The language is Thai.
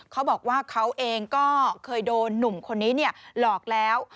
เขาบอกว่าเขาเองก็เคยโดนหนุ่มคนนี้หลอกแล้ว